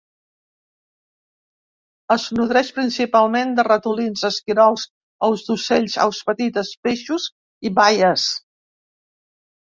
Es nodreix principalment de ratolins, esquirols, ous d'ocells, aus petites, peixos i baies.